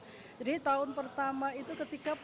itu sudah melakukan kegiatan selama dua tahun